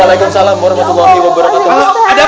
waalaikumsalam warahmatullahi wabarakatuh